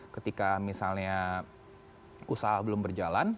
ketika misalnya usaha belum berjalan